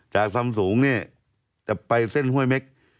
จากสำสูงจะไปเส้นห้วยเม็ก